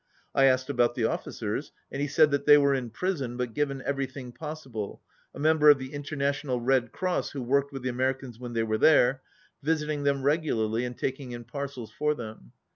I asked about the officers, and he said that they were in prison but given everything possible, a member of the International Red Cross, who worked with the Americans when they were here, visiting them regularly and taking in parcels for them.